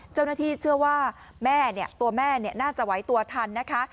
เจ้าหน้าที่เชื่อว่าแม่เนี่ยตัวแม่เนี่ยน่าจะไว้ตัวทันนะคะ